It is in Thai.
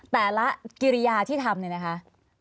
แต่ละกิริยาที่ทำเนี่ยนะคะ